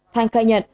thanh khai nhận